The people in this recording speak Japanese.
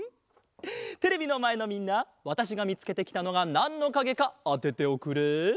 テレビのまえのみんなわたしがみつけてきたのがなんのかげかあてておくれ。